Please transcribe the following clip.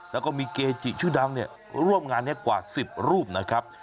แล้วก็มีเกจิชื่อดังเนี่ยร่วมงานนี้กว่า๑๐รูปนะครับ